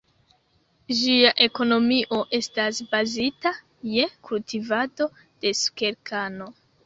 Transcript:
Ĝia ekonomio estas bazita je kultivado de sukerkano.